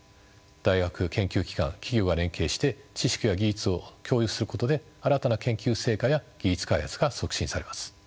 大学研究機関企業が連携して知識や技術を共有することで新たな研究成果や技術開発が促進されます。